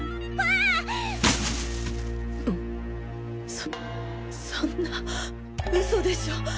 そそんなウソでしょ！？